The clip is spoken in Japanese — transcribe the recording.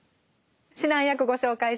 指南役ご紹介します。